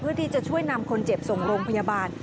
เพื่อที่จะช่วยนำคนเจ็บส่งโรงพยาบาล